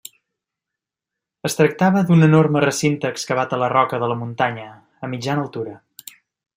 Es tractava d'un enorme recinte excavat a la roca de la Muntanya, a mitjana altura.